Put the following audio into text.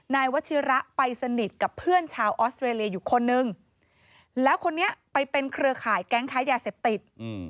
นายวัชิระไปสนิทกับเพื่อนชาวออสเตรเลียอยู่คนนึงแล้วคนนี้ไปเป็นเครือข่ายแก๊งค้ายาเสพติด